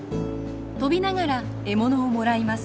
飛びながら獲物をもらいます。